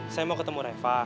saya mau ketemu reva